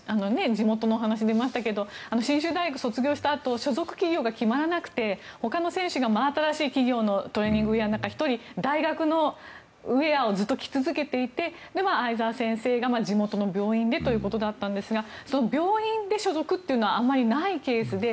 地元の話が出ましたけれど信州大学を卒業したあと所属企業が決まらなくてほかの選手が、真新しい企業のトレーニングウェアの中１人大学のウェアをずっと着続けていて相澤先生が地元の病院でということだったんですが病院で所属というのはあまりないケースで